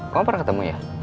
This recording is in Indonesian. kamu pernah ketemu ya